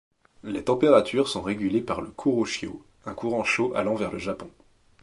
Les températures sont régulées par le Kuroshio, un courant chaud allant vers le Japon.